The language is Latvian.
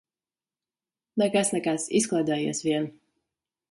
Nekas, nekas, izklaidējies vien.